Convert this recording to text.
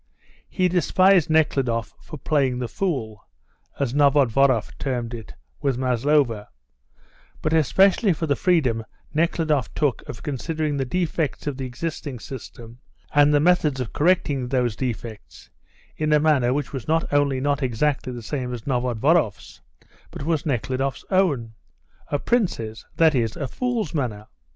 He despised Nekhludoff for "playing the fool," as Novodvoroff termed it, with Maslova, but especially for the freedom Nekhludoff took of considering the defects of the existing system and the methods of correcting those defects in a manner which was not only not exactly the same as Novodvoroff's, but was Nekhludoff's own a prince's, that is, a fool's manner.